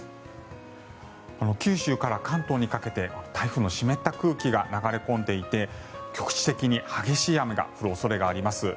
九州から関東にかけて台風の湿った空気が流れ込んでいて局地的に激しい雨が降る恐れがあります。